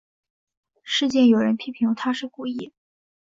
事件有人批评她是故意。